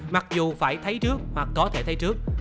mặc dù phải thấy trước hoặc có thể thấy trước